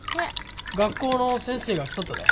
学校の先生が着とったで。